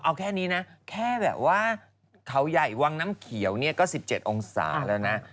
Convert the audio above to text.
เอาแค่นี้นะแค่แบบว่าเขาใหญ่วังน้ำเขียวเนี่ยก็๑๗องศาแล้วนะ